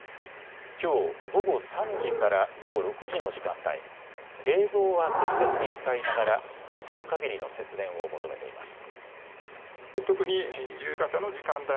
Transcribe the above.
きょう午後３時から午後６時の時間帯、冷房は適切に使いながらできるかぎりの節電を求めています。